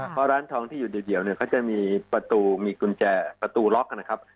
เพราะร้านทองที่อยู่เดียวเนี่ยเขาจะมีประตูมีกุญแจประตูล็อกนะครับ